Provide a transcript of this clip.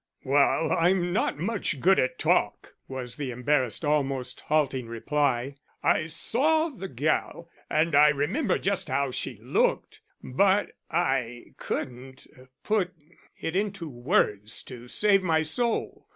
"Wa'al, I'm not much good at talk," was the embarrassed, almost halting reply. "I saw the gal and I remember just how she looked, but I couldn't put it into words to save my soul.